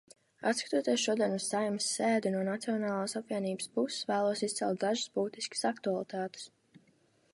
Atskatoties šodien uz Saeimas sēdi, no Nacionālās apvienības puses vēlos izcelt dažas būtiskākās aktualitātes.